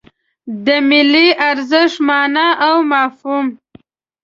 د ملي ارزښت مانا او مفهوم